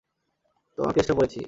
তোমার কেসটা পড়েছি।